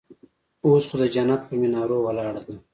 اوس خو د جنت پهٔ منارو ولاړه ده